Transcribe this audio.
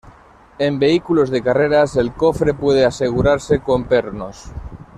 En vehículos de carreras el cofre puede asegurarse con pernos.